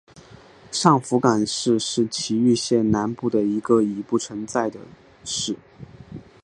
上福冈市是崎玉县南部的一个已不存在的市。